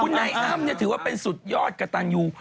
คุณนายอ้ำเนี่ยถือว่าเป็นสุดยอดไกต์ต่างยู